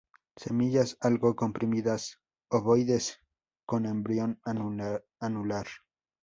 Semillas algo comprimidas, ovoides, con embrión anular.